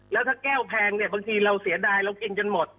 แล้วถ้าแก้วแพงเนี่ยบางทีเราเสียดายเรากินจนหมด